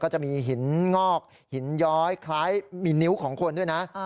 จะมีหินงอกหินย้อยคล้ายมีนิ้วของคนด้วยนะ